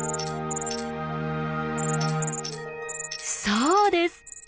そうです！